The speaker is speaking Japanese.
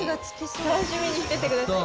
楽しみにしててください。